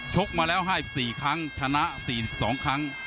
กมาแล้ว๕๔ครั้งชนะ๔๒ครั้ง